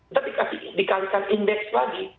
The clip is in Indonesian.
kita dikasih dikalikan indeks lagi